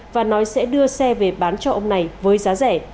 và nói sẽ đưa xe về bán cho ông này với giá rẻ